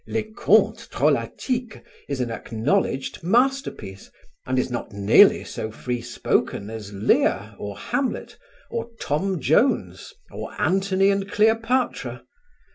"Les Contes Drolatiques" is an acknowledged masterpiece, and is not nearly so free spoken as "Lear" or "Hamlet" or "Tom Jones" or "Anthony and Cleopatra."